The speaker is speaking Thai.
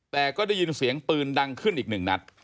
แต่ก็ได้ยินเสียงปืนดังขึ้นอีกหนึ่งนัด